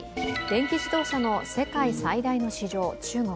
ＥＶ＝電気自動車の世界最大の市場中国。